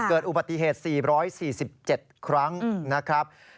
เกิดอุบัติเหตุ๔๔๗ครั้งนะครับ